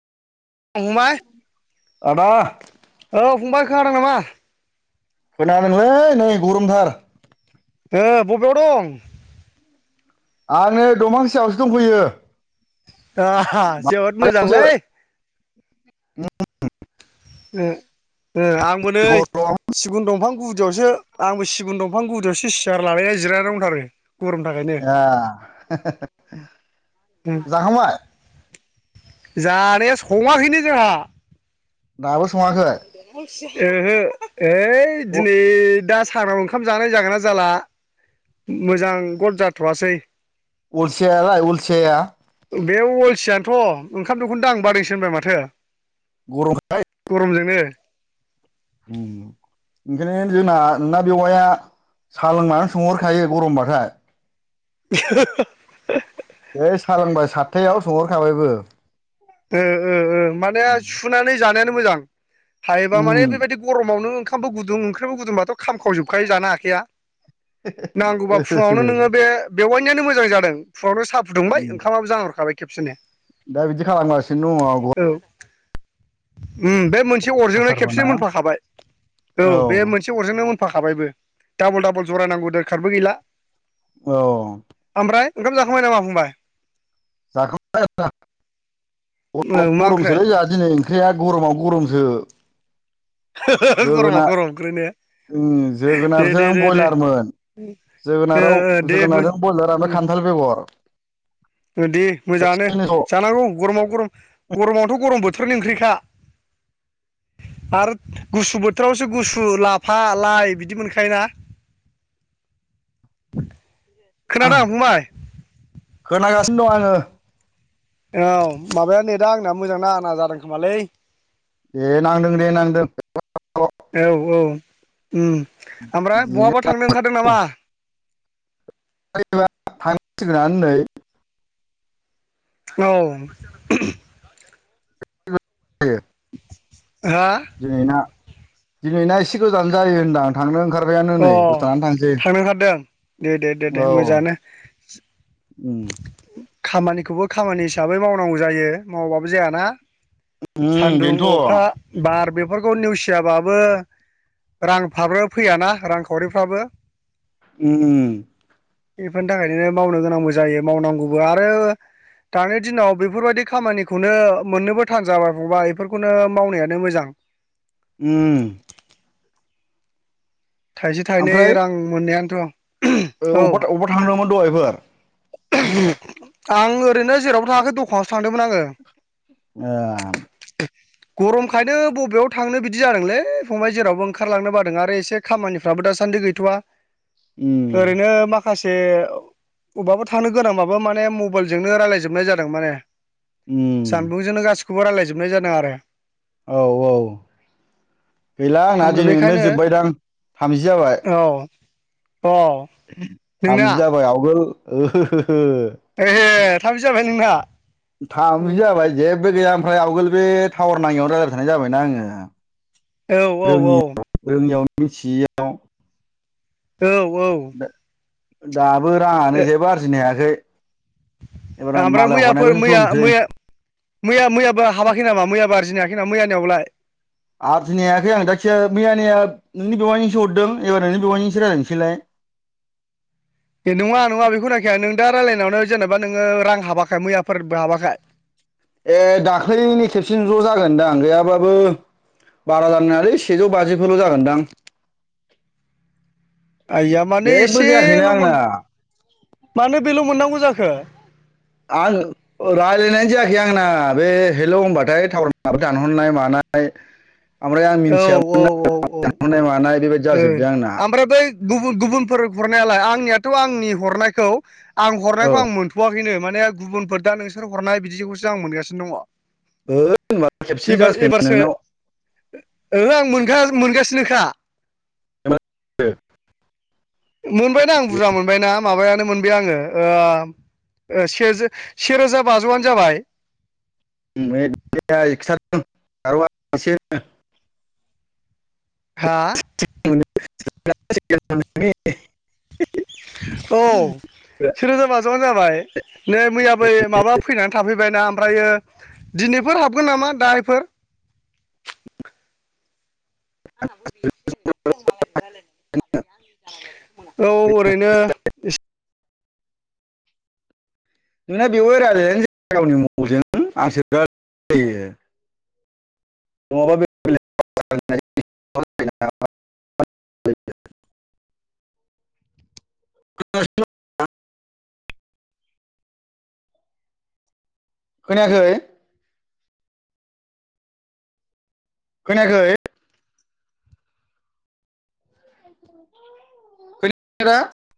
फंबाय आदा औ फंबाय खोनादों नामा खोनादोंलै नै गरमथार ओ बबेयाव दं आं नै दफां सायावसो दंफैयो ओ हा जोबोद बारियावसो मोजांलै [unintelligible] उम उम आंबो नै गरम सिगुन दंफां गु दियावसो आंबो सिगुन दंफां गुदियावसो सियार लालाया जिरायना दंथारो। गरमनि थाखायनो ए जाखांबाय जानाया सङाखैनो जोंहा दाबो संङाखै ओहो ओइ दिनै दा सानाव ओंखाम जानाय जागोन ना जाला मोजां गद जाथ'वासै अलसियालाय अलसियाया बे अलसियाथ' ओंखाम दोखौनो दांनो बादोंसो होनबाय माथो गरमजोंनो अम ओंखायनो जोंना बेववाया साहा लोंनानै सोंहरखायो गरमबाथाय [inaudible] जै साह लोंबाय सातथायाव सोंहरखाबायबो ओ ओ ओ माने सुनानै जानायानो मोजां। हायोबा मान उम बेबायदि गरमाव ओंखाम गुदुं ओंखामबो गुुंबाथ' खामखावजोबखायो जानो हाखाया नांगौबा फुंङावनो नोंङो बे बेवाइनियानो मोजां जादों फुंवानो साहा फुदुंबाय ओंखामाबो जानहरखाबाय खेबसेनो दा बिदि खालामगासिनो दं' अम बे मोनसे अरजोंनो गरमथारबो ना खेबसेनो मोनफाखाबाय औ बे मोनसे अरजोंनो मोन फाखाबायबो डाबल-डाबल जराय नांगौबो दोरखारबो गैला। औ ओमफ्राय ओंखाम जाखांबाय नामा फंबाय? जाखांबाय आदा औ गरमाव मा ओंख्रै गरमसोलै जोंहा दिनै ओंख्रिया गरमाव गरमसो। गरमाव जोगोनार गरम ओंख्रि ने। जोगोनारजों बयलारमोन। ओ जोगोनाराव ओ दे मो जोगोनारजों ब्रयलार ओमफ्राय उम खान्थाल बेगर। दे मोजाङानो खेबसेयैनो ज' जानांगौ गरमाव गरम गरमावथ' गरम बो थोरनि ओंख्रिखा। आरो गुसु बोथोरावसो गुसु लाफा, लाइ बिदि मोनखायो ना? [inaudible] खोनादों फंबाय? सिन दं आङो। औ माबाया ने दा आंना मोजां ना जादों खोमालै। दे नांदों दे नांदों औ [unintelligible] औ उम ओमफ्राय बहाबा थांनो ओंखारदों नामा? [unintelligible] थांसिगोननानै नै। औ [unintelligible] दिनै ना दिनैना एसे गोजान जायो होनदां आं थांनो ओंखार खारसायानो अ नै दुथारानानै थांसै। थांनो ओंखारदों दे दे दे औ दे मोजाङानो उम खामानिखौबो खामानि हिसाबै मावनांगौ जायो। मावाबाबो जायाना। उम सान्दुं, अखा, बेनोथ' बार बे फोरखौ नेवसियाबाबो रांफ्राबो फैयाना रांखावरिफ्राबो। उम बेफोरनि थाखायनो मावनो गोनांबो जायो। मावनांगौबो आरो दानि दिनाव बेफोरबायदि खामानिखौनो मोननोबो थानजाबाय फंबाय बेफोरखौनो मावनायानो मोजां। उम थाइसे थाइनै रां मोननायानोथ' औ बबेबा अबेबा थांदोंमोन दहायफोर? आं ओरैनो जेरावबो थाङाखै दखानावसो थांदोंमोन आङो। ए गरमखायनो बबेयाव थांनो बिदि जादोंलै फंबाय जेरावबो ओंखारलांनो बादों आरो एसे खामानिफ्रा बो दासान्दि गैथ'वा। उम ओरैनो माखासे अबाफोर थांनो गोनांबाबो माने मबाइलजोंनो रायलायजोबनाय जादों माने। उम सानदुंजोंनो गासिखौबो रायलायजोबनाय जादों आरो। औ औ गैला आंना ओमफ्राय बेखायनो दिनैनिफ्राय जोब्बायदां थामजि जाबाय। औ औ नोंना थामजि जाबाय आवगोल ए थामजि जाबायानो नों ना? थामजि जाबाय जेबो गैया ओमफ्राय आवगोल बे टावार नाङिआवनो रायलायबाय थानाय जाबायना आङो। औ औ औ। मिनथियियाव। औ औ। दाबो राङानो जेबो आरजिनो हायाखै। एबार ओमफ्राय मालाय मैयाफोर हरनायखौसो मैया दमसै मैया मैया मैयाबो हाबाखै नामा? मैयाबो आरजिनो हायाखै नामा मैयानियावलाय। आरजिनो हायाखै आं दा खे [unintelligible] जायखिया मैयानिया नोंनि बेवयानोसो हरदों एबार नोंनि बेवयानिजोंसो रायलायनोसैलाय। [inaudible] दे नङा नङा बेखौ होनाखैय नों दा रायलायनायावनो जेनेबा नोङो रां हाबाखै मैयाफोरबो हाबाखै। ए दाख्लैनि खेबसेन ज' जागोनदां गैयाबाबो बारा जायनाय नङालै सेजौ बाजिफोल' जागोनदां। आइया मानो जेबो जायाखैनो एसेल' मोन आंना मानो बेल' मोननांगौ जाखो। आं रायज्लायनाय जायाखै आंना बे हेल' होनबाथाय टावार माबा दानहरनाय मानाय। औ औ औ ओ [inaudible] ओमफ्राय बै गुबुन गुबुनफोर हरनायालाय आंनियाथ' आंनि हरनायखौ आं औ हरनायखौ आं मोनथ'वाखैनो। माने गुबुनफोर दा नोंसोर हरनाय बिदिखौसो आं मोनगासिनो दङ। होद होनबा खेबसेनो एबार जासिगोन एबारसो नोंनाव। ओहो आं मोन मोनगासिनोखा। दे। मोनबायना आं बुरजा मोनबायना माबायानो मोनबाय आङो। सेरोजा बाजौआनो जाबाय। [inaudible] हा। [inaudible] औ। सेरोजा बाजौआनो जाबाय नै मैयाबो माबा फैनानै थाफैबायना ओमफ्रायो दिनै बेफोर हाबगोन नामा दाहायफोर [inaudible] [inaudible] औ ओरैनो। [inaudible] [inaudible] [inaudible] खोनायाखै। खोनायाखै। [inaudible]